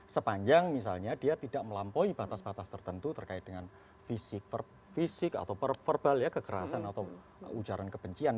sepanjang misalnya dia tidak melampaui batas batas tertentu terkait dengan fisik atau perbal ya kekerasan atau ujaran kebencian